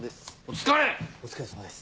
お疲れさまです。